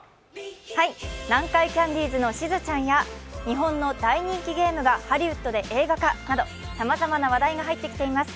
南海キャンディーズのしずちゃんや日本の大人気ゲームがハリウッドで映画化などさまざまな話題が入ってきています。